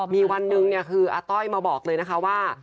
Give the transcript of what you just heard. มีวันหนึ่งคืออาต้อยมาบอกเลยนะคะว่า